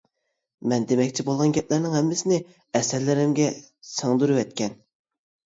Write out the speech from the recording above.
مەن دېمەكچى بولغان گەپلەرنىڭ ھەممىسىنى ئەسەرلىرىمگە سىڭدۈرۈۋەتكەن.